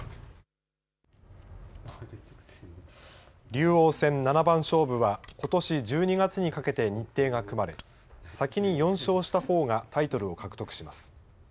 「竜王戦」七番勝負はことし１２月にかけて日程が組まれ先に４勝したほうがタイトルを獲得します。